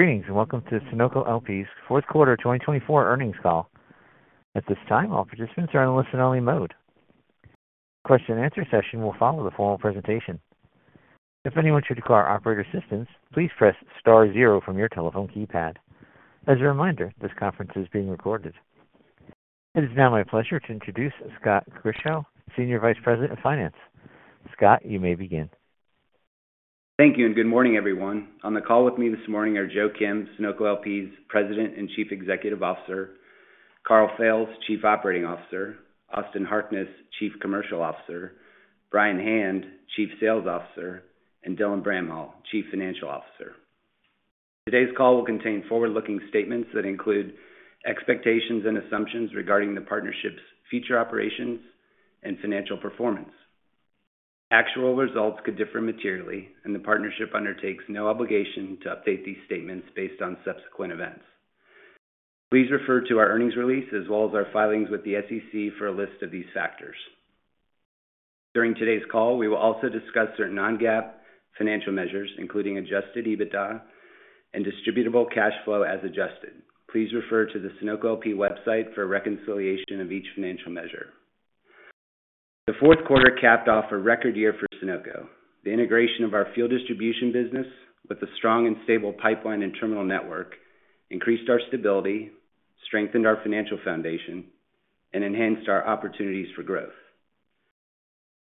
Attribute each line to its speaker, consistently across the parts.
Speaker 1: Greetings and welcome to Sunoco LP's Fourth Quarter 2024 Earnings Call. At this time, all participants are in listen-only mode. This question-and-answer session will follow the formal presentation. If anyone should require operator assistance, please press star zero from your telephone keypad. As a reminder, this conference is being recorded. It is now my pleasure to introduce Scott Grischow, Senior Vice President of Finance. Scott, you may begin.
Speaker 2: Thank you and good morning, everyone. On the call with me this morning are Joe Kim, Sunoco LP's President and Chief Executive Officer, Karl Fails, Chief Operating Officer, Austin Harkness, Chief Commercial Officer, Brian Hand, Chief Sales Officer, and Dylan Bramhall, Chief Financial Officer. Today's call will contain forward-looking statements that include expectations and assumptions regarding the partnership's future operations and financial performance. Actual results could differ materially, and the partnership undertakes no obligation to update these statements based on subsequent events. Please refer to our earnings release as well as our filings with the SEC for a list of these factors. During today's call, we will also discuss certain non-GAAP financial measures, including Adjusted EBITDA and distributable cash flow as adjusted. Please refer to the Sunoco LP website for reconciliation of each financial measure. The fourth quarter capped off a record year for Sunoco. The integration of our fuel distribution business with a strong and stable pipeline and terminal network increased our stability, strengthened our financial foundation, and enhanced our opportunities for growth.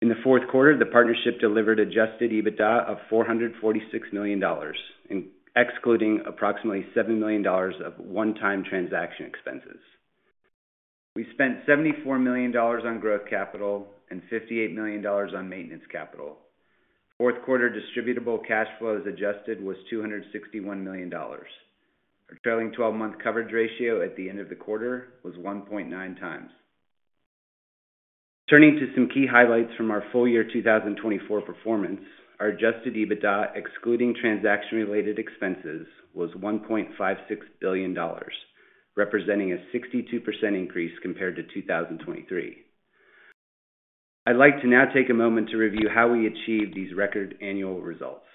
Speaker 2: In the fourth quarter, the partnership delivered Adjusted EBITDA of $446 million, excluding approximately $7 million of one-time transaction expenses. We spent $74 million on growth capital and $58 million on maintenance capital. Fourth quarter Distributable Cash Flow, as adjusted was $261 million. Our trailing 12-month coverage ratio at the end of the quarter was 1.9 times. Turning to some key highlights from our full-year 2024 performance, our Adjusted EBITDA, excluding transaction-related expenses, was $1.56 billion, representing a 62% increase compared to 2023. I'd like to now take a moment to review how we achieved these record annual results.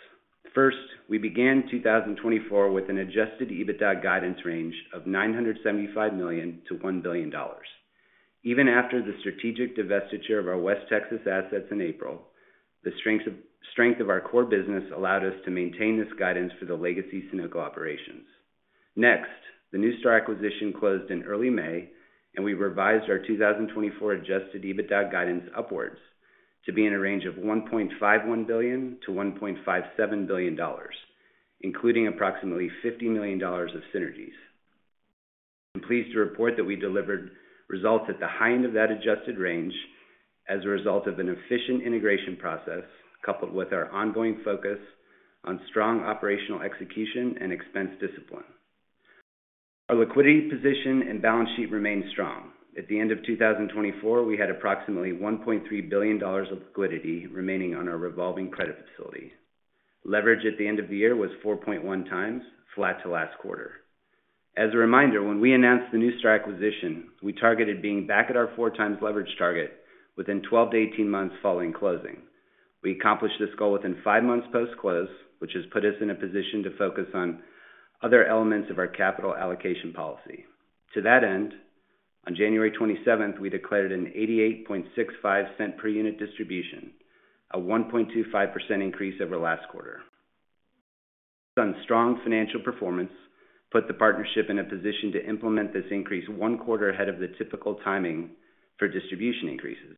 Speaker 2: First, we began 2024 with an Adjusted EBITDA guidance range of $975 million-$1 billion. Even after the strategic divestiture of our West Texas assets in April, the strength of our core business allowed us to maintain this guidance for the legacy Sunoco operations. Next, the NuStar acquisition closed in early May, and we revised our 2024 Adjusted EBITDA guidance upwards to be in a range of $1.51 billion-$1.57 billion, including approximately $50 million of synergies. I'm pleased to report that we delivered results at the high end of that adjusted range as a result of an efficient integration process coupled with our ongoing focus on strong operational execution and expense discipline. Our liquidity position and balance sheet remained strong. At the end of 2024, we had approximately $1.3 billion of liquidity remaining on our revolving credit facility. Leverage at the end of the year was 4.1 times, flat to last quarter. As a reminder, when we announced the NuStar acquisition, we targeted being back at our 4x leverage target within 12 months-18 months following closing. We accomplished this goal within five months post-close, which has put us in a position to focus on other elements of our capital allocation policy. To that end, on January 27th, we declared a $0.8865 per unit distribution, a 1.25% increase over last quarter. Based on strong financial performance, we put the partnership in a position to implement this increase one quarter ahead of the typical timing for distribution increases.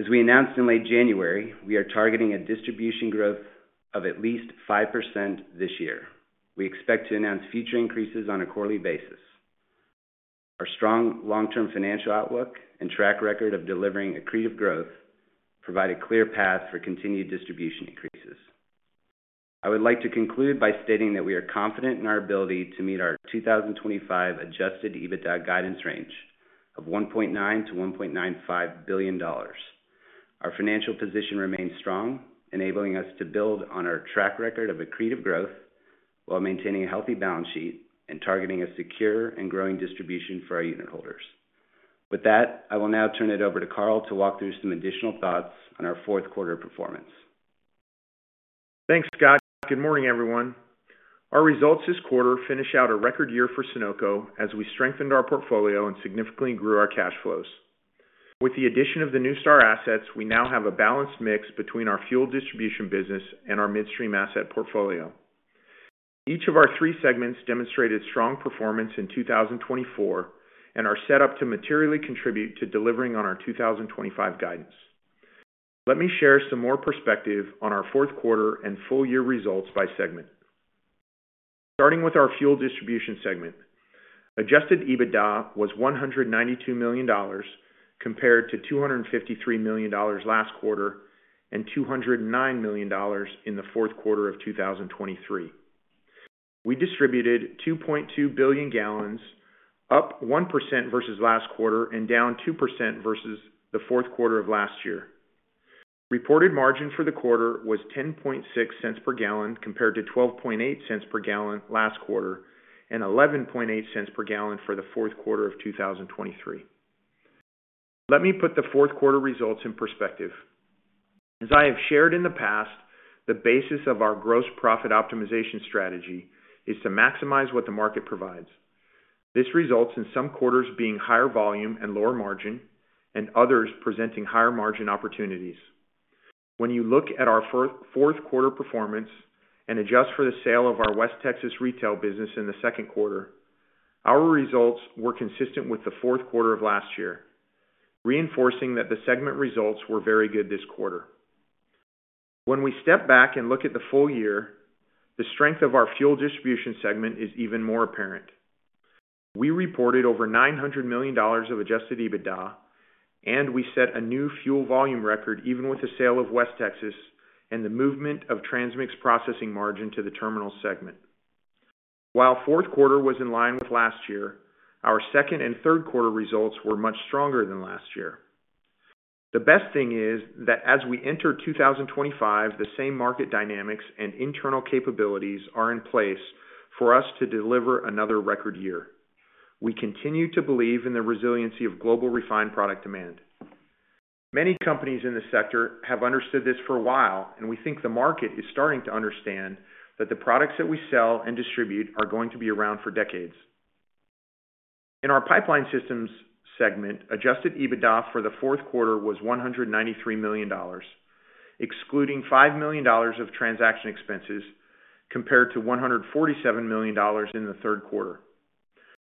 Speaker 2: As we announced in late January, we are targeting a distribution growth of at least 5% this year. We expect to announce future increases on a quarterly basis. Our strong long-term financial outlook and track record of delivering accretive growth provide a clear path for continued distribution increases. I would like to conclude by stating that we are confident in our ability to meet our 2025 Adjusted EBITDA guidance range of $1.9 billion-$1.95 billion. Our financial position remains strong, enabling us to build on our track record of accretive growth while maintaining a healthy balance sheet and targeting a secure and growing distribution for our unit holders. With that, I will now turn it over to Karl to walk through some additional thoughts on our fourth quarter performance.
Speaker 3: Thanks, Scott. Good morning, everyone. Our results this quarter finish out a record year for Sunoco as we strengthened our portfolio and significantly grew our cash flows. With the addition of the NuStar assets, we now have a balanced mix between our fuel distribution business and our midstream asset portfolio. Each of our three segments demonstrated strong performance in 2024 and are set up to materially contribute to delivering on our 2025 guidance. Let me share some more perspective on our fourth quarter and full-year results by segment. Starting with our fuel distribution segment, Adjusted EBITDA was $192 million compared to $253 million last quarter and $209 million in the fourth quarter of 2023. We distributed 2.2 billion gallons, up 1% versus last quarter and down 2% versus the fourth quarter of last year. Reported margin for the quarter was 10.6 cents per gallon compared to 12.8 cents per gallon last quarter and 11.8 cents per gallon for the fourth quarter of 2023. Let me put the fourth quarter results in perspective. As I have shared in the past, the basis of our gross profit optimization strategy is to maximize what the market provides. This results in some quarters being higher volume and lower margin and others presenting higher margin opportunities. When you look at our fourth quarter performance and adjust for the sale of our West Texas retail business in the second quarter, our results were consistent with the fourth quarter of last year, reinforcing that the segment results were very good this quarter. When we step back and look at the full year, the strength of our fuel distribution segment is even more apparent. We reported over $900 million of Adjusted EBITDA, and we set a new fuel volume record even with the sale of West Texas and the movement of transmix processing margin to the terminal segment. While fourth quarter was in line with last year, our second and third quarter results were much stronger than last year. The best thing is that as we enter 2025, the same market dynamics and internal capabilities are in place for us to deliver another record year. We continue to believe in the resiliency of global refined product demand. Many companies in the sector have understood this for a while, and we think the market is starting to understand that the products that we sell and distribute are going to be around for decades. In our pipeline systems segment, Adjusted EBITDA for the fourth quarter was $193 million, excluding $5 million of transaction expenses, compared to $147 million in the third quarter.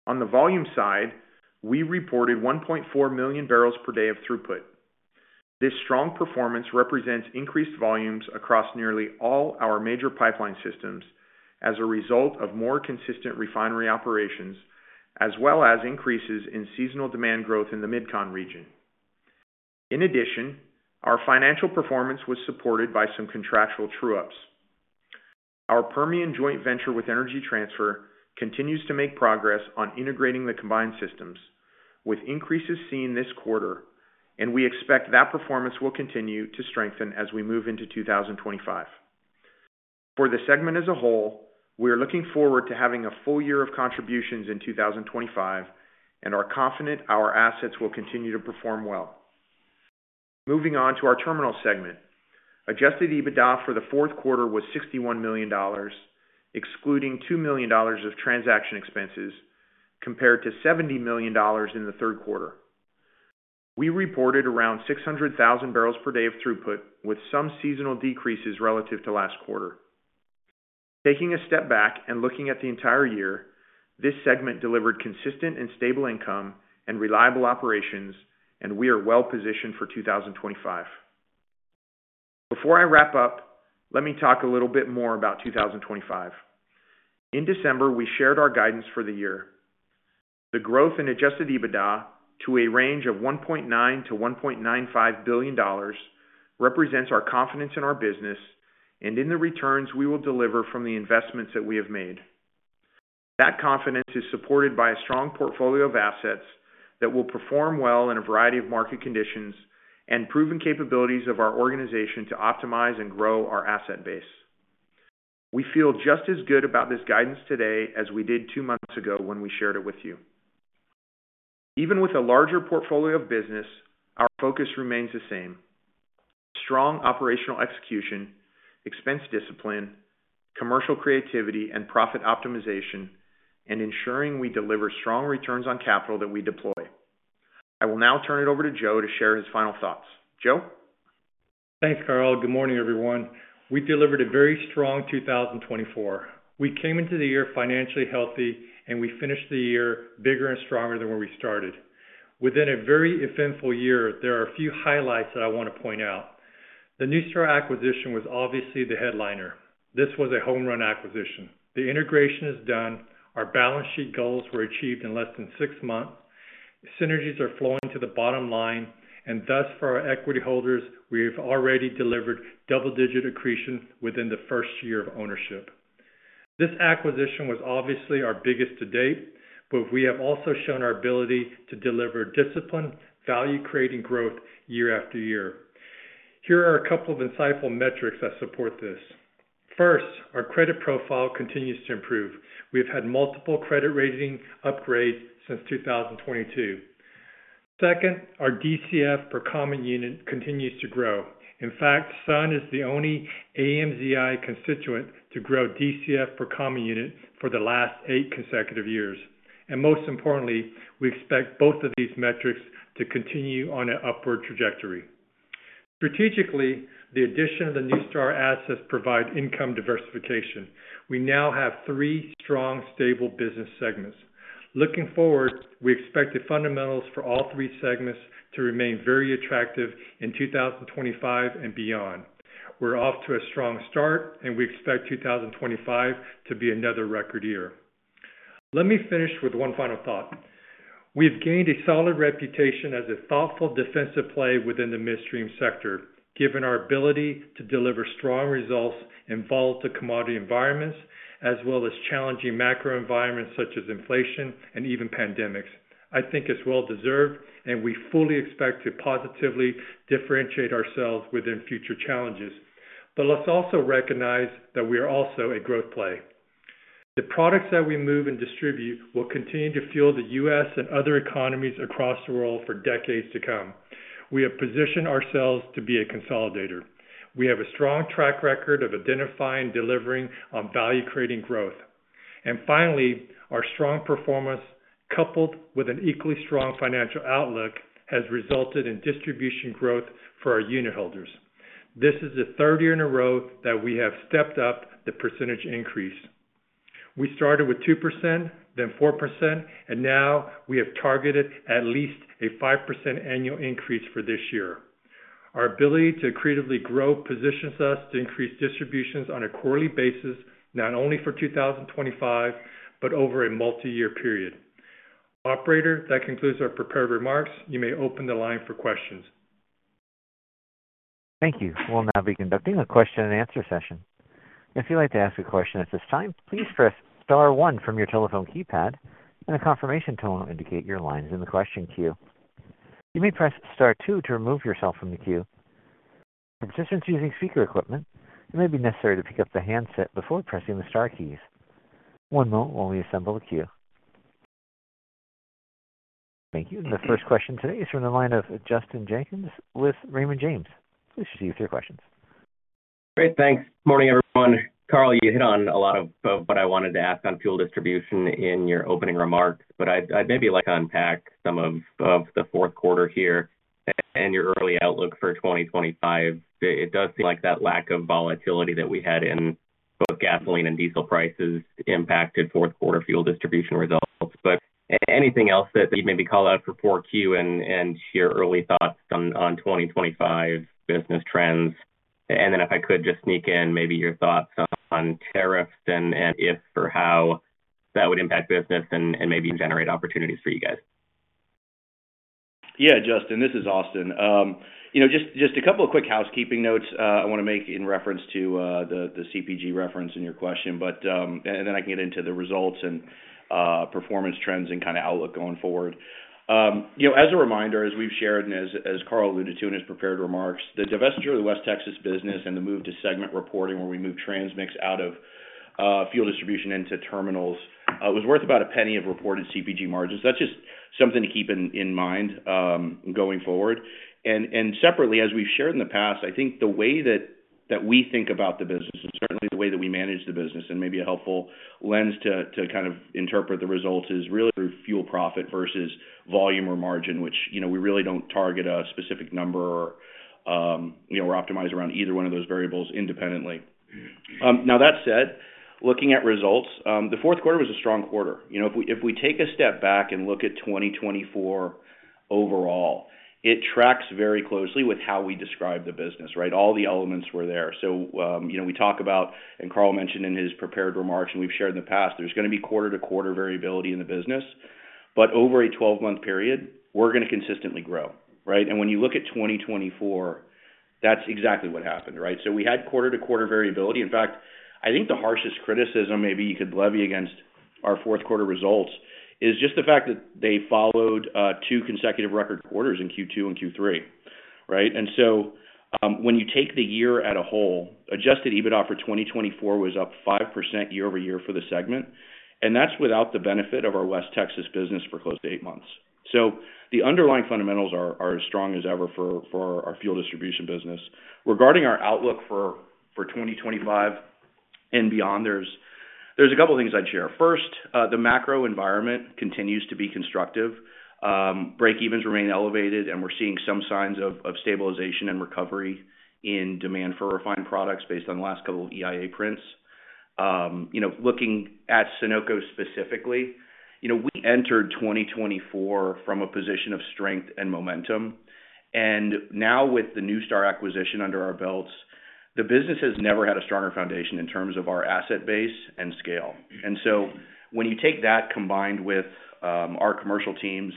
Speaker 3: On the volume side, we reported 1.4 million barrels per day of throughput. This strong performance represents increased volumes across nearly all our major pipeline systems as a result of more consistent refinery operations, as well as increases in seasonal demand growth in the Mid-Continent region. In addition, our financial performance was supported by some contractual true-ups. Our Permian joint venture with Energy Transfer continues to make progress on integrating the combined systems, with increases seen this quarter, and we expect that performance will continue to strengthen as we move into 2025. For the segment as a whole, we are looking forward to having a full year of contributions in 2025 and are confident our assets will continue to perform well. Moving on to our terminal segment, Adjusted EBITDA for the fourth quarter was $61 million, excluding $2 million of transaction expenses, compared to $70 million in the third quarter. We reported around 600,000 barrels per day of throughput, with some seasonal decreases relative to last quarter. Taking a step back and looking at the entire year, this segment delivered consistent and stable income and reliable operations, and we are well positioned for 2025. Before I wrap up, let me talk a little bit more about 2025. In December, we shared our guidance for the year. The growth in Adjusted EBITDA to a range of $1.9-$1.95 billion represents our confidence in our business and in the returns we will deliver from the investments that we have made. That confidence is supported by a strong portfolio of assets that will perform well in a variety of market conditions and proven capabilities of our organization to optimize and grow our asset base. We feel just as good about this guidance today as we did two months ago when we shared it with you. Even with a larger portfolio of business, our focus remains the same: strong operational execution, expense discipline, commercial creativity and profit optimization, and ensuring we deliver strong returns on capital that we deploy. I will now turn it over to Joe to share his final thoughts. Joe?
Speaker 4: Thanks, Karl. Good morning, everyone. We delivered a very strong 2024. We came into the year financially healthy, and we finished the year bigger and stronger than when we started. Within a very eventful year, there are a few highlights that I want to point out. The NuStar acquisition was obviously the headliner. This was a home run acquisition. The integration is done. Our balance sheet goals were achieved in less than six months. Synergies are flowing to the bottom line, and thus for our equity holders, we have already delivered double-digit accretion within the first year of ownership. This acquisition was obviously our biggest to date, but we have also shown our ability to deliver discipline, value-creating growth year after year. Here are a couple of insightful metrics that support this. First, our credit profile continues to improve. We have had multiple credit rating upgrades since 2022. Second, our DCF per common unit continues to grow. In fact, Sun is the only AMZI constituent to grow DCF per common unit for the last eight consecutive years, and most importantly, we expect both of these metrics to continue on an upward trajectory. Strategically, the addition of the NuStar assets provides income diversification. We now have three strong, stable business segments. Looking forward, we expect the fundamentals for all three segments to remain very attractive in 2025 and beyond. We're off to a strong start, and we expect 2025 to be another record year. Let me finish with one final thought. We have gained a solid reputation as a thoughtful defensive play within the midstream sector, given our ability to deliver strong results in volatile commodity environments, as well as challenging macro environments such as inflation and even pandemics. I think it's well-deserved, and we fully expect to positively differentiate ourselves within future challenges. But let's also recognize that we are also a growth play. The products that we move and distribute will continue to fuel the U.S. and other economies across the world for decades to come. We have positioned ourselves to be a consolidator. We have a strong track record of identifying and delivering on value-creating growth. And finally, our strong performance, coupled with an equally strong financial outlook, has resulted in distribution growth for our unit holders. This is the third year in a row that we have stepped up the percentage increase. We started with 2%, then 4%, and now we have targeted at least a 5% annual increase for this year. Our ability to accretively grow positions us to increase distributions on a quarterly basis, not only for 2025, but over a multi-year period. Operator, that concludes our prepared remarks. You may open the line for questions.
Speaker 1: Thank you. We'll now be conducting a question-and-answer session. If you'd like to ask a question at this time, please press star 1 from your telephone keypad, and a confirmation tone will indicate your line is in the question queue. You may press star two to remove yourself from the queue. For assistance using speaker equipment, it may be necessary to pick up the handset before pressing the Star keys. One moment while we assemble the queue. Thank you. And the first question today is from the line of Justin Jenkins with Raymond James. Please proceed with your questions.
Speaker 5: Great. Thanks. Good morning, everyone. Karl, you hit on a lot of what I wanted to ask on fuel distribution in your opening remarks, but I'd maybe like to unpack some of the fourth quarter here and your early outlook for 2025. It does seem like that lack of volatility that we had in both gasoline and diesel prices impacted fourth quarter fuel distribution results. But anything else that you'd maybe call out for 4Q and share early thoughts on 2025 business trends? And then if I could just sneak in maybe your thoughts on tariffs and if or how that would impact business and maybe generate opportunities for you guys?
Speaker 6: Yeah, Justin, this is Austin. Just a couple of quick housekeeping notes I want to make in reference to the CPG reference in your question, and then I can get into the results and performance trends and kind of outlook going forward. As a reminder, as we've shared and as Karl alluded to in his prepared remarks, the divestiture of the West Texas business and the move to segment reporting where we move transmix out of fuel distribution into terminals was worth about a penny of reported CPG margins. That's just something to keep in mind going forward. Separately, as we've shared in the past, I think the way that we think about the business, and certainly the way that we manage the business, and maybe a helpful lens to kind of interpret the results is really through fuel profit versus volume or margin, which we really don't target a specific number or we're optimized around either one of those variables independently. Now, that said, looking at results, the fourth quarter was a strong quarter. If we take a step back and look at 2024 overall, it tracks very closely with how we describe the business, right? All the elements were there. We talk about, and Karl mentioned in his prepared remarks and we've shared in the past, there's going to be quarter-to-quarter variability in the business, but over a 12-month period, we're going to consistently grow, right? When you look at 2024, that's exactly what happened, right? So we had quarter-to-quarter variability. In fact, I think the harshest criticism maybe you could levy against our fourth quarter results is just the fact that they followed two consecutive record quarters in Q2 and Q3, right? And so when you take the year as a whole, Adjusted EBITDA for 2024 was up 5% year over year for the segment, and that's without the benefit of our West Texas business for close to eight months. So the underlying fundamentals are as strong as ever for our fuel distribution business. Regarding our outlook for 2025 and beyond, there's a couple of things I'd share. First, the macro environment continues to be constructive. Break-evens remain elevated, and we're seeing some signs of stabilization and recovery in demand for refined products based on the last couple of EIA prints. Looking at Sunoco specifically, we entered 2024 from a position of strength and momentum, and now with the NuStar acquisition under our belts, the business has never had a stronger foundation in terms of our asset base and scale, and so when you take that combined with our commercial teams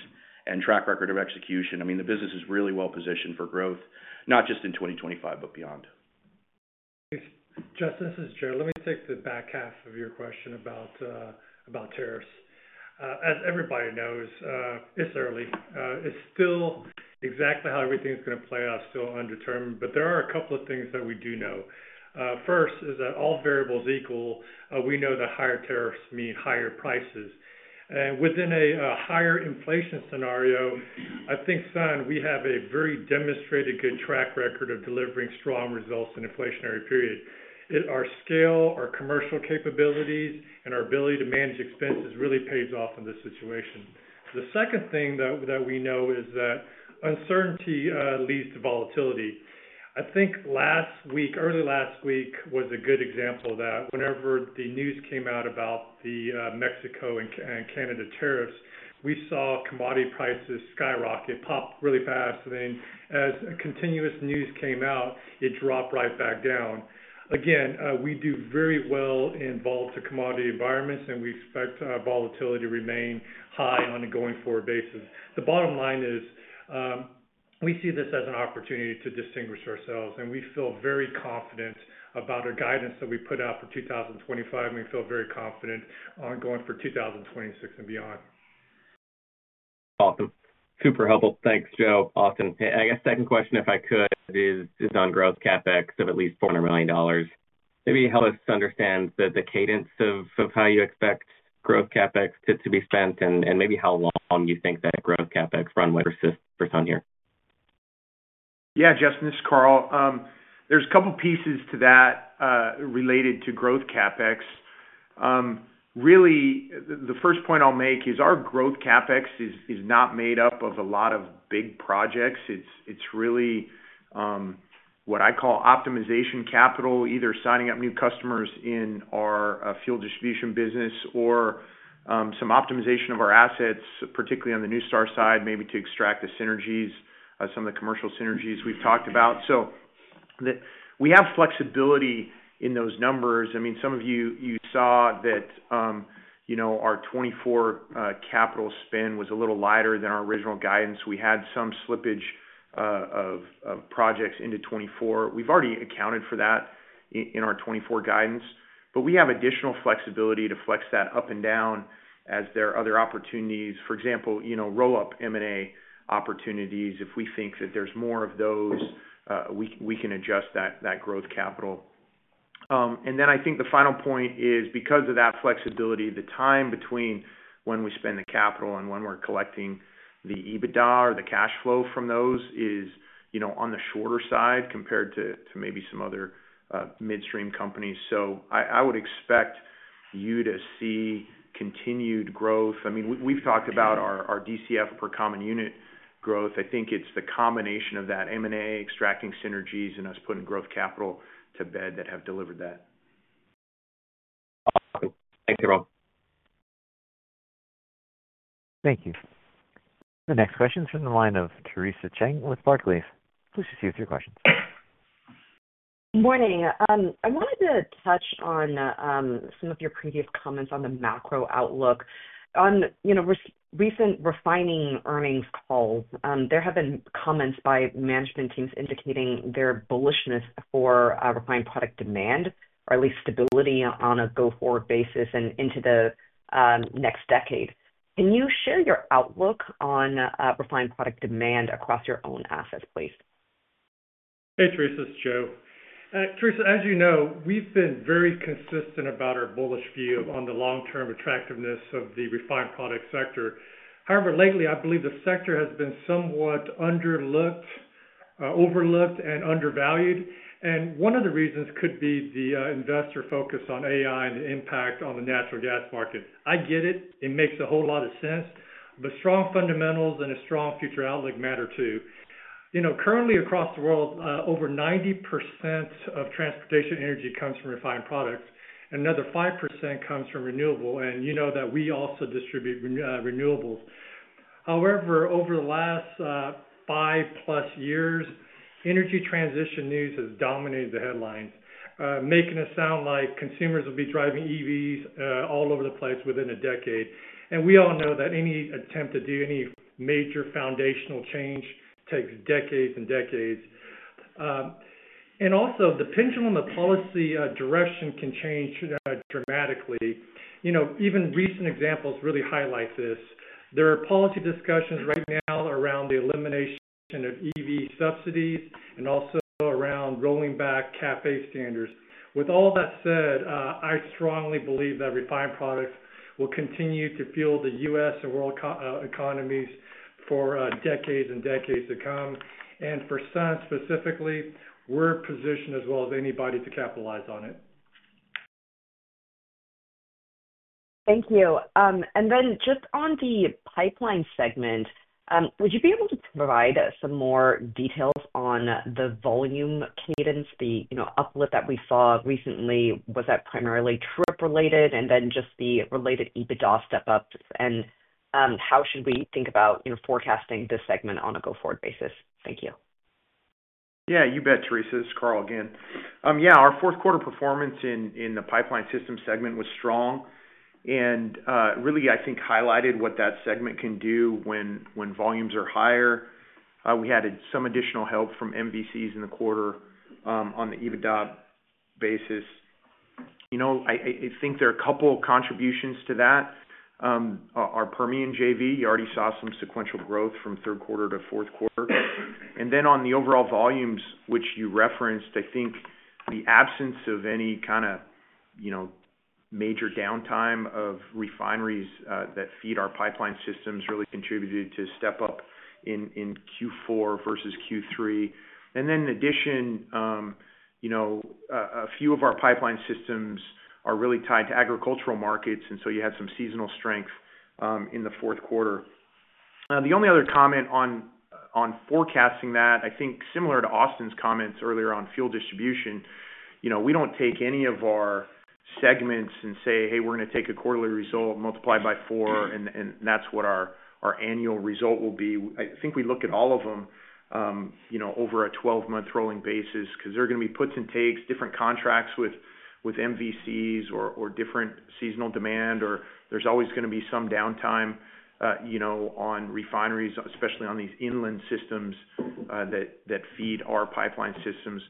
Speaker 6: and track record of execution, I mean, the business is really well positioned for growth, not just in 2025, but beyond.
Speaker 4: Okay. Justin, this is Joe. Let me take the back half of your question about tariffs. As everybody knows, it's early. It's still exactly how everything's going to play out is still undetermined, but there are a couple of things that we do know. First is that all variables equal, we know that higher tariffs mean higher prices. And within a higher inflation scenario, I think Sunoco, we have a very demonstrated good track record of delivering strong results in an inflationary period. Our scale, our commercial capabilities, and our ability to manage expenses really pays off in this situation. The second thing that we know is that uncertainty leads to volatility. I think last week, early last week, was a good example that whenever the news came out about the Mexico and Canada tariffs, we saw commodity prices skyrocket, pop really fast, and then as continuous news came out, it dropped right back down. Again, we do very well in volatile commodity environments, and we expect volatility to remain high on a going-forward basis. The bottom line is we see this as an opportunity to distinguish ourselves, and we feel very confident about our guidance that we put out for 2025, and we feel very confident ongoing for 2026 and beyond.
Speaker 5: Awesome. Super helpful. Thanks, Joe. Austin, I guess second question, if I could, is on growth CapEx of at least $400 million. Maybe help us understand the cadence of how you expect growth CapEx to be spent and maybe how long you think that growth CapEx run would persist for Sun here?
Speaker 3: Yeah, Justin, this is Karl. There's a couple of pieces to that related to growth CapEx. Really, the first point I'll make is our growth CapEx is not made up of a lot of big projects. It's really what I call optimization capital, either signing up new customers in our fuel distribution business or some optimization of our assets, particularly on the NuStar side, maybe to extract the synergies, some of the commercial synergies we've talked about. So we have flexibility in those numbers. I mean, some of you saw that our 2024 capital spend was a little lighter than our original guidance. We had some slippage of projects into 2024. We've already accounted for that in our 2024 guidance, but we have additional flexibility to flex that up and down as there are other opportunities. For example, roll-up M&A opportunities. If we think that there's more of those, we can adjust that growth capital. And then I think the final point is, because of that flexibility, the time between when we spend the capital and when we're collecting the EBITDA or the cash flow from those is on the shorter side compared to maybe some other midstream companies. So I would expect you to see continued growth. I mean, we've talked about our DCF per common unit growth. I think it's the combination of that M&A, extracting synergies, and us putting growth capital to bed that have delivered that.
Speaker 5: Awesome. Thanks, everyone.
Speaker 1: Thank you. The next question is from the line of Theresa Chen with Barclays. Please proceed with your questions.
Speaker 5: Good morning. I wanted to touch on some of your previous comments on the macro outlook. On recent refining earnings calls, there have been comments by management teams indicating their bullishness for refined product demand, or at least stability on a go-forward basis and into the next decade. Can you share your outlook on refined product demand across your own assets, please?
Speaker 4: Hey, Theresa, this is Joe. Theresa, as you know, we've been very consistent about our bullish view on the long-term attractiveness of the refined product sector. However, lately, I believe the sector has been somewhat overlooked and undervalued, and one of the reasons could be the investor focus on AI and the impact on the natural gas market. I get it. It makes a whole lot of sense, but strong fundamentals and a strong future outlook matter too. Currently, across the world, over 90% of transportation energy comes from refined products, and another 5% comes from renewable, and you know that we also distribute renewables. However, over the last five-plus years, energy transition news has dominated the headlines, making it sound like consumers will be driving EVs all over the place within a decade. We all know that any attempt to do any major foundational change takes decades and decades. Also, the pendulum of policy direction can change dramatically. Even recent examples really highlight this. There are policy discussions right now around the elimination of EV subsidies and also around rolling back CAFE standards. With all that said, I strongly believe that refined products will continue to fuel the U.S. and world economies for decades and decades to come. For Sun specifically, we're positioned as well as anybody to capitalize on it.
Speaker 5: Thank you. And then just on the pipeline segment, would you be able to provide some more details on the volume cadence? The uplift that we saw recently, was that primarily transmix-related, and then just the related EBITDA step-ups? And how should we think about forecasting this segment on a go-forward basis? Thank you.
Speaker 3: Yeah, you bet, Theresa. This is Karl again. Yeah, our fourth quarter performance in the pipeline system segment was strong and really, I think, highlighted what that segment can do when volumes are higher. We had some additional help from MVCs in the quarter on the EBITDA basis. I think there are a couple of contributions to that. Our Permian JV, you already saw some sequential growth from third quarter to fourth quarter. And then on the overall volumes, which you referenced, I think the absence of any kind of major downtime of refineries that feed our pipeline systems really contributed to step-up in Q4 versus Q3. And then in addition, a few of our pipeline systems are really tied to agricultural markets, and so you had some seasonal strength in the fourth quarter. The only other comment on forecasting that, I think similar to Austin's comments earlier on fuel distribution, we don't take any of our segments and say, "Hey, we're going to take a quarterly result, multiply by four, and that's what our annual result will be." I think we look at all of them over a 12-month rolling basis because there are going to be puts and takes, different contracts with MVCs or different seasonal demand, or there's always going to be some downtime on refineries, especially on these inland systems that feed our pipeline systems.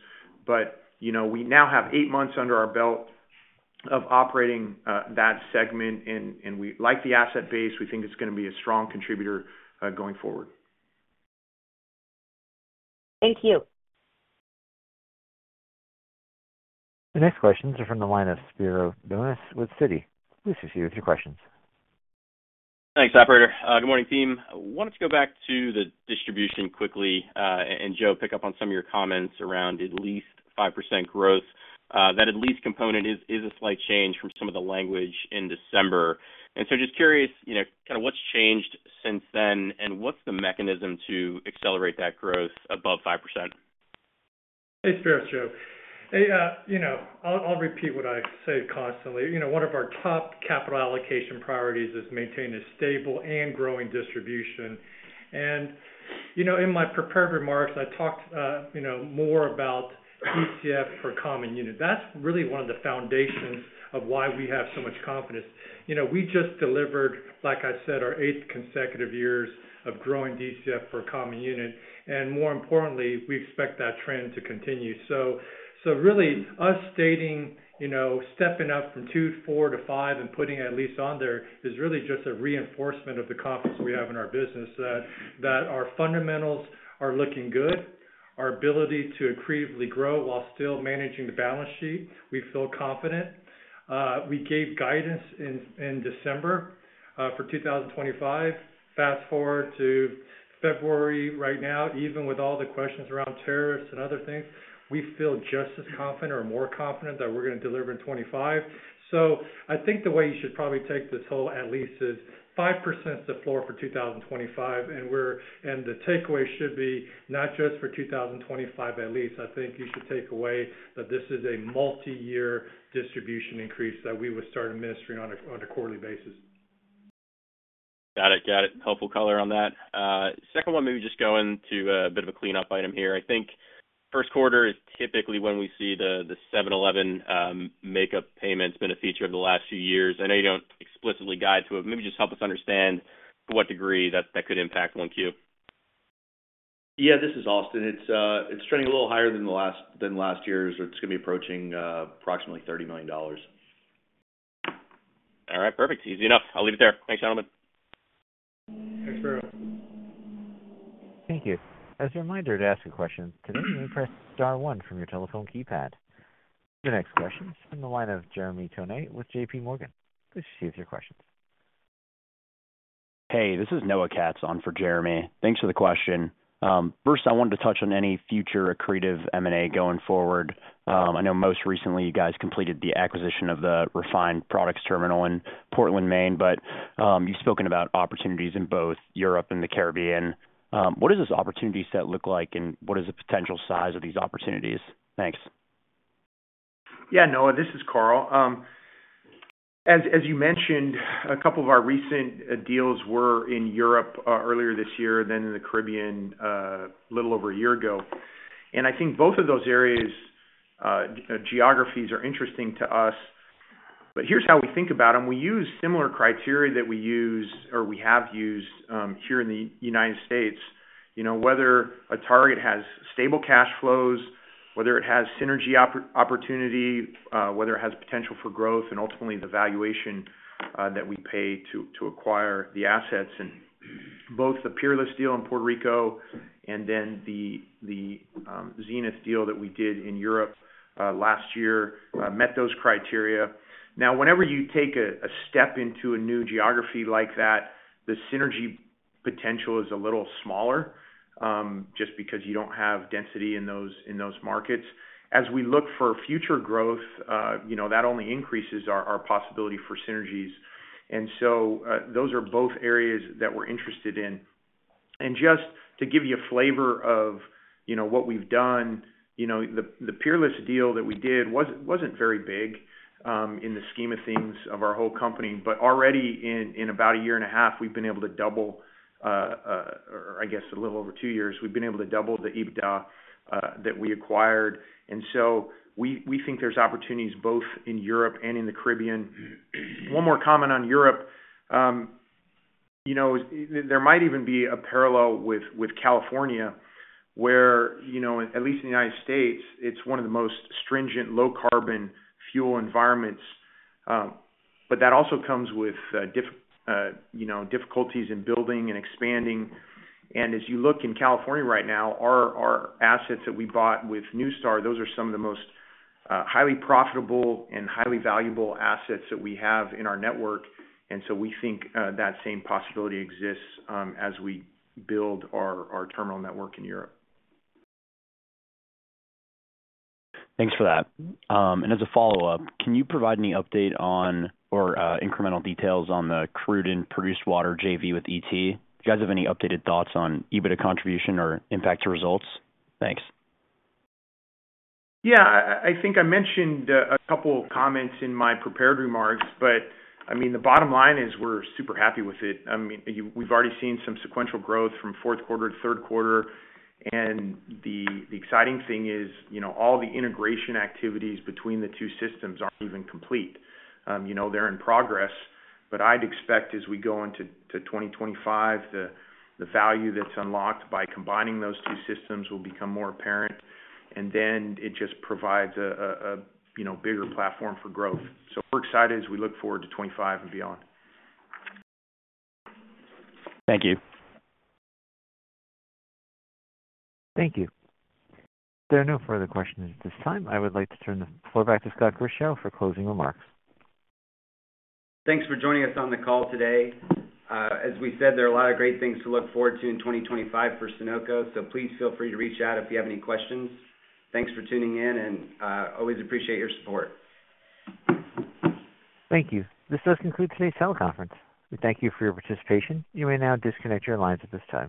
Speaker 3: But we now have eight months under our belt of operating that segment, and like the asset base, we think it's going to be a strong contributor going forward.
Speaker 5: Thank you.
Speaker 1: The next questions are from the line of Spiro Dounis with Citi. Please proceed with your questions.
Speaker 7: Thanks, operator. Good morning, team. I wanted to go back to the distribution quickly and, Joe, pick up on some of your comments around at least 5% growth. That at least component is a slight change from some of the language in December. And so just curious, kind of what's changed since then, and what's the mechanism to accelerate that growth above 5%?
Speaker 4: Hey, Spiro, it's Joe. I'll repeat what I say constantly. One of our top capital allocation priorities is maintaining a stable and growing distribution. In my prepared remarks, I talked more about DCF per common unit. That's really one of the foundations of why we have so much confidence. We just delivered, like I said, our eighth consecutive years of growing DCF per common unit. More importantly, we expect that trend to continue. Really, us stating stepping up from 2.4 to 5 and putting at least on there is really just a reinforcement of the confidence we have in our business that our fundamentals are looking good, our ability to accretively grow while still managing the balance sheet. We feel confident. We gave guidance in December for 2025. Fast forward to February right now, even with all the questions around tariffs and other things, we feel just as confident or more confident that we're going to deliver in 2025. So I think the way you should probably take this whole at least is 5% is the floor for 2025, and the takeaway should be not just for 2025 at least. I think you should take away that this is a multi-year distribution increase that we would start administering on a quarterly basis.
Speaker 5: Got it. Got it. Helpful color on that. Second one, maybe just going to a bit of a cleanup item here. I think first quarter is typically when we see the 7-Eleven makeup payments been a feature of the last few years. I know you don't explicitly guide to it, but maybe just help us understand to what degree that could impact 1Q.
Speaker 6: Yeah, this is Austin. It's trending a little higher than last year's, or it's going to be approaching approximately $30 million.
Speaker 5: All right. Perfect. Easy enough. I'll leave it there. Thanks, gentlemen.
Speaker 4: Thanks, Spiro.
Speaker 1: Thank you. As a reminder to ask a question today, press star one from your telephone keypad. The next question is from the line of Jeremy Tonet with J.P. Morgan. Please proceed with your questions.
Speaker 8: Hey, this is Noah Katz on for Jeremy. Thanks for the question. First, I wanted to touch on any future accretive M&A going forward. I know most recently you guys completed the acquisition of the refined products terminal in Portland, Maine, but you've spoken about opportunities in both Europe and the Caribbean. What does this opportunity set look like, and what is the potential size of these opportunities? Thanks.
Speaker 3: Yeah, Noah, this is Karl. As you mentioned, a couple of our recent deals were in Europe earlier this year, then in the Caribbean a little over a year ago, and I think both of those areas, geographies are interesting to us. But here's how we think about them. We use similar criteria that we use or we have used here in the United States, whether a target has stable cash flows, whether it has synergy opportunity, whether it has potential for growth, and ultimately the valuation that we pay to acquire the assets. And both the Peerless deal in Puerto Rico and then the Zenith deal that we did in Europe last year met those criteria. Now, whenever you take a step into a new geography like that, the synergy potential is a little smaller just because you don't have density in those markets. As we look for future growth, that only increases our possibility for synergies, and so those are both areas that we're interested in. And just to give you a flavor of what we've done, the Peerless deal that we did wasn't very big in the scheme of things of our whole company, but already in about a year and a half, we've been able to double, or I guess a little over two years, we've been able to double the EBITDA that we acquired, and so we think there's opportunities both in Europe and in the Caribbean. One more comment on Europe. There might even be a parallel with California where, at least in the United States, it's one of the most stringent low-carbon fuel environments, but that also comes with difficulties in building and expanding. And as you look in California right now, our assets that we bought with NuStar, those are some of the most highly profitable and highly valuable assets that we have in our network. And so we think that same possibility exists as we build our terminal network in Europe.
Speaker 8: Thanks for that. And as a follow-up, can you provide any update on or incremental details on the crude and produced water JV with ET? Do you guys have any updated thoughts on EBITDA contribution or impact to results? Thanks.
Speaker 3: Yeah, I think I mentioned a couple of comments in my prepared remarks, but I mean, the bottom line is we're super happy with it. I mean, we've already seen some sequential growth from fourth quarter to third quarter. And the exciting thing is all the integration activities between the two systems aren't even complete. They're in progress. But I'd expect as we go into 2025, the value that's unlocked by combining those two systems will become more apparent. And then it just provides a bigger platform for growth. So we're excited as we look forward to 2025 and beyond.
Speaker 8: Thank you.
Speaker 1: Thank you. If there are no further questions at this time, I would like to turn the floor back to Scott Grischow for closing remarks.
Speaker 2: Thanks for joining us on the call today. As we said, there are a lot of great things to look forward to in 2025 for Sunoco, so please feel free to reach out if you have any questions. Thanks for tuning in, and always appreciate your support.
Speaker 1: Thank you. This does conclude today's teleconference. We thank you for your participation. You may now disconnect your lines at this time.